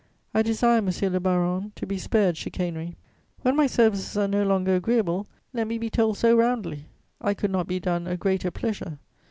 I desire, monsieur le baron, to be spared chicanery. When my services are no longer agreeable, let me be told so roundly: I could not be done a greater pleasure.